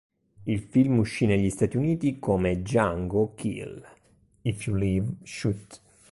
Il film uscì negli Stati Uniti come "Django, Kill... If You Live, Shoot!